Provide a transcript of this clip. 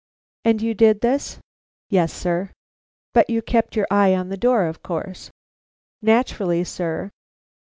"And you did this?" "Yes, sir." "But you kept your eye on the door, of course?" "Naturally, sir."